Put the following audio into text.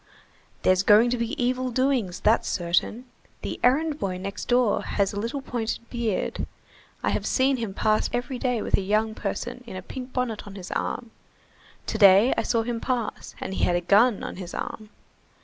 "There's going to be evil doings, that's certain. The errand boy next door has a little pointed beard, I have seen him pass every day with a young person in a pink bonnet on his arm; to day I saw him pass, and he had a gun on his arm.